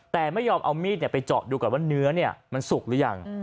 แต่ไม่ยอมเอามีดเนี่ยไปเจาะดูกันว่าเนื้อเนี่ยมันสุกหรือยัง